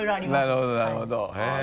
なるほどなるほどへぇ。